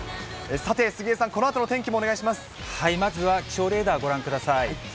さて、杉江さん、このあとの天気まずは気象レーダーご覧ください。